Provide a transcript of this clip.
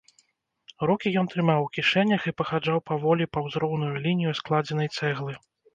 Рукі ён трымаў у кішэнях і пахаджаў паволі паўз роўную лінію складзенай цэглы.